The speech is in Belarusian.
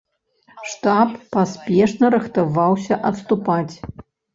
Штаб паспешна рыхтаваўся адступаць.